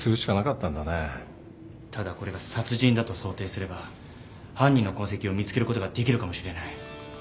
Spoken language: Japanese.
ただこれが殺人だと想定すれば犯人の痕跡を見つけることができるかもしれない。